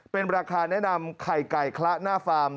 เป็นราคาแนะนำไข่ไก่คละหน้าฟาร์ม